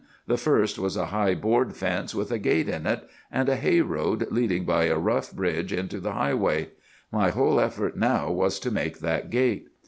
The first was a high board fence, with a gate in it, and a hay road leading by a rough bridge into the highway. My whole effort now was to make that gate.